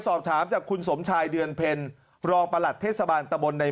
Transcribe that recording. สอบถามจากคุณสมชายเดือนเพ็ญรองประหลัดเทศบาลตะบนใน